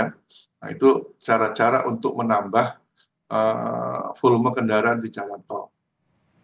nah itu cara cara untuk menambah volume kendaraan di jalan tol